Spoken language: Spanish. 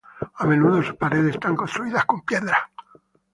A menudo sus paredes están construidas con piedras.